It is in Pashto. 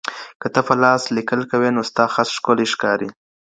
که ته په لاس لیکل کوې نو ستا خط ښکلی ښکاري.